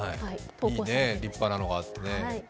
いいね、立派なのがあってね。